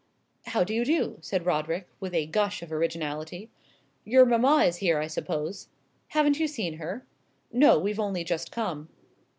"How do you do?" said Roderick, with a gush of originality. "Your mamma is here, I suppose." "Haven't you seen her?" "No; we've only just come."